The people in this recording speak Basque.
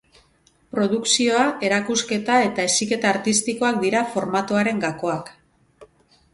Produkzioa, erakusketa eta heziketa artistikoa dira formatoaren gakoak.